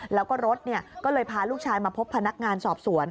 แล้วก็รถก็เลยพาลูกชายมาพบพนักงานสอบสวน